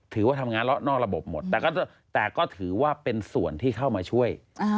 ถือว่าทำงานนอกระบบหมดแต่ก็ถือว่าเป็นส่วนที่เข้ามาช่วย